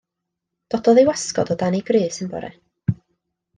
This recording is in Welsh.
Dododd ei wasgod o tan ei grys un bore.